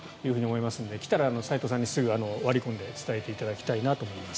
来たら齋藤さんにすぐに割り込んで伝えていただきたいなと思います。